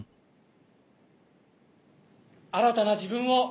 新たな自分を！